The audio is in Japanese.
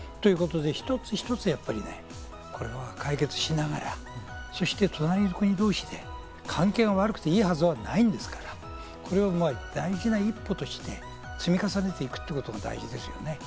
一つ一つ、これは解決しながら、隣の国同士で関係が悪くていいはずはないんですから、これを大事な一歩として積み重ねていくことが大事ですよね。